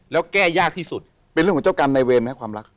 แล้วแก้ยากที่สุดเป็นเรื่องของเจ้ากรรมในเวรไหมความรัก